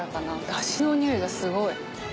出汁のにおいがすごい。